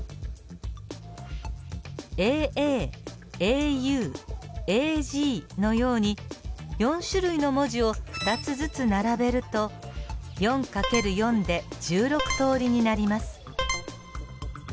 ＡＡＡＵＡＧのように４種類の文字を２つずつ並べると４×４で１６通りになります。